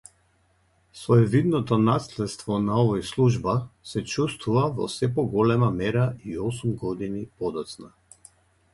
Своевидното наследствона овој служба се чувствува во сѐ поголема мера и осум години подоцна.